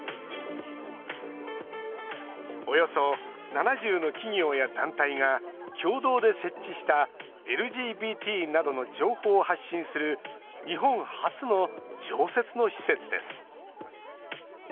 およそ７０の企業や団体が共同で設置したＬＧＢＴなどの情報を発信する日本初の常設の施設です。